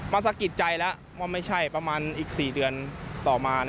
สะกิดใจแล้วว่าไม่ใช่ประมาณอีก๔เดือนต่อมา